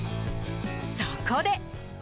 そこで！